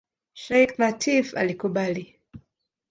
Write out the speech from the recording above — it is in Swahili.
Sheikh Lateef alikubali.